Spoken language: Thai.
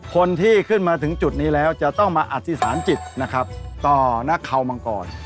คนที่ขึ้นมาถึงจุดนี้แล้วเจ้าจะต้องอธิษฐานจิตต่อนักขาวมังกร